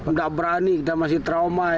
tidak berani kita masih trauma ini